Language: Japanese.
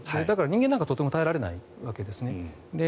だから人間なんかとても耐えられないわけです。